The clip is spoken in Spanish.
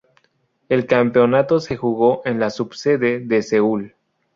El campeonato se jugó en la subsede de Seúl.